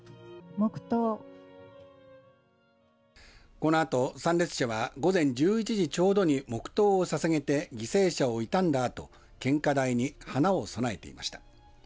このあと参列者は午前１１時ちょうどに黙とうをささげて犠牲者を悼んだあと献花台に花を供えていました。